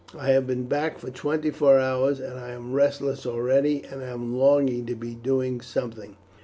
I have been back for twenty four hours, and I am restless already and am longing to be doing something."